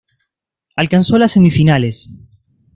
Alcanzó las semifinales.